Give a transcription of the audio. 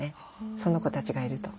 その子たちがいると。